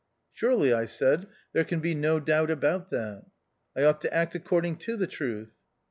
" Surely," I said, " there can be no doubt about that. I ought to act according to the truth."